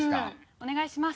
お願いします。